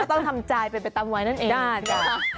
ก็ต้องทำใจไปไปตามมายนั่นเอง